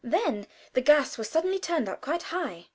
Then the gas was suddenly turned up quite high.